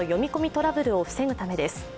トラブルを防ぐためです。